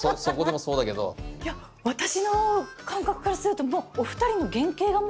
いや私の感覚からするとお二人の原型がもう。